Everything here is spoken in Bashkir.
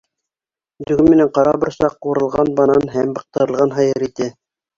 — Дөгө менән ҡара борсаҡ, ҡурылған банан һәм быҡтырылған һыйыр ите.